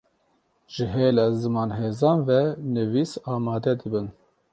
ji hêla zimanhezan ve nivîs amade dibin